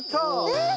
えっ？